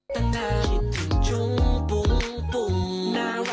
สาว